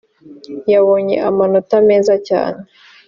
yabonye amanota meza cyane